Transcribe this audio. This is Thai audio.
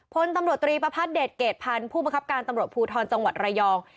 พลตำรวจตรีประพัทธเดชเกรดพันธ์ผู้บังคับการตำรวจภูทรจังหวัดระยอง